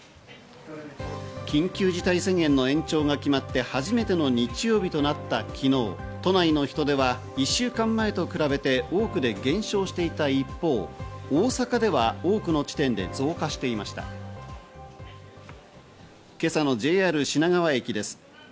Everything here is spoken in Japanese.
緊急事態宣言の延長が決まって初めての日曜日となった昨日、都内の人出は１週間前と比べて多くで減少していた一方、大阪では多くの地点で増加していました。